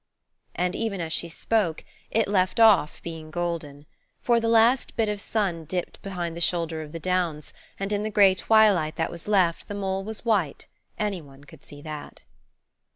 And, even as she spoke, it left off being golden. For the last bit of sun dipped behind the shoulder of the downs, and in the grey twilight that was left the mole was white–any one could see that.